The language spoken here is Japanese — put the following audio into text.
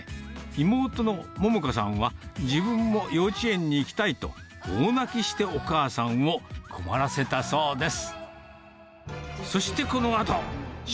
妹の桃香さんは、自分も幼稚園に行きたいと、大泣きしてお母さんを困らせたそうです。